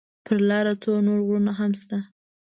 پر لاره څو نور غرونه هم شته.